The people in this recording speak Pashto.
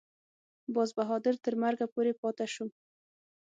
باز بهادر تر مرګه پورې پاته شو.